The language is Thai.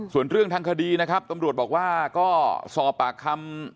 ส่วนเรื่องทางคดีนะครับตำรวจบอกว่าก็สอบปากคำ